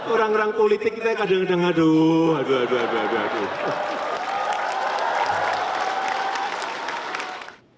orang orang politik kita kadang kadang aduh aduh aduh aduh aduh aduh